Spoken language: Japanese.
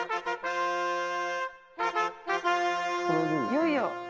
いよいよ。